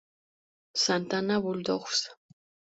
Santa Ana Bulldogs